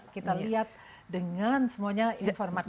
kita lihat dengan semuanya informatif